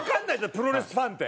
プロレスファンって。